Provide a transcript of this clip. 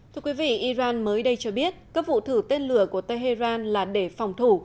thưa quý vị iran mới đây cho biết các vụ thử tên lửa của tehran là để phòng thủ